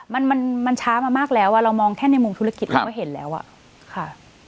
ค่ามันช้ามมากแล้วอะเรามองแค่ในมุมธุรกิจก็เห็นแล้วอะ